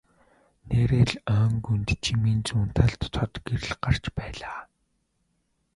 Нээрээ л ойн гүнд жимийн зүүн талд тод гэрэл гарч байлаа.